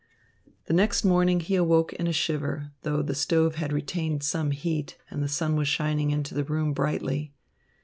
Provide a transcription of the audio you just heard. The next morning he awoke in a shiver, though the stove had retained some heat and the sun was shining into the room brightly.